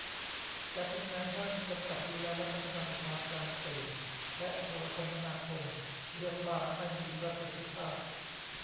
การทำงานด้านกำกับดูแล และ พัฒนาอุตสาหกรรม สื่อ และ โทรคมนาคม เรียกว่าไม่มีประสิทธิภาพ